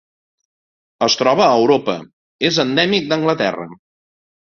Es troba a Europa: és endèmic d'Anglaterra.